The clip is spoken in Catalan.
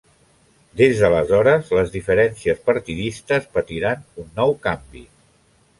Des d'aleshores les diferències partidistes patiran un nou canvi.